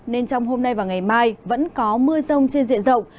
nên trong hôm nay và ngày mai vẫn có mưa rông trên diện rộng